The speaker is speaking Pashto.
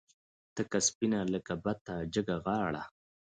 تکه سپینه لکه بته جګه غاړه